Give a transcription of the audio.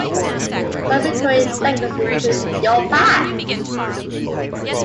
Some recurring segments include Yo Pack!